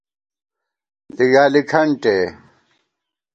لِگالی کھنٹے